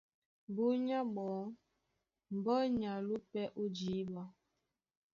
Búnyá ɓɔɔ́ mbɔ́ ní alónɔ̄ pɛ́ ó jǐɓa,